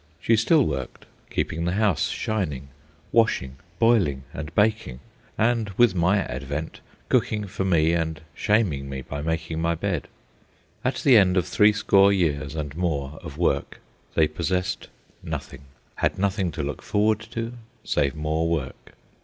She still worked, keeping the house shining, washing, boiling, and baking, and, with my advent, cooking for me and shaming me by making my bed. At the end of threescore years and more of work they possessed nothing, had nothing to look forward to save more work.